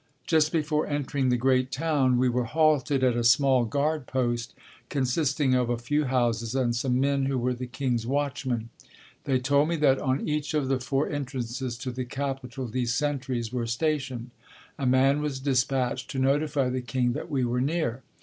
Just before entering the great town we were halted at a small guard post consisting of a few houses and some men who were the king's watchmen. They told me that on each of the four entrances to the capital these sentries were stationed. A man was dispatched to notify the king that we were near.